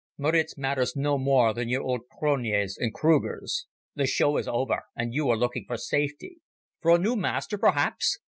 Maritz matters no more than your old Cronjes and Krugers. The show is over, and you are looking for safety. For a new master perhaps?